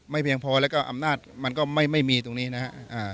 เพียงพอแล้วก็อำนาจมันก็ไม่มีตรงนี้นะครับ